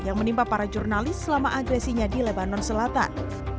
yang menimpa para jurnalis selama agresinya di lebanon selatan